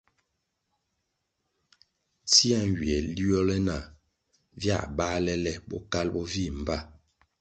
Tsia nywie liole nah via bālè le Bokalʼ bo vih mbpa.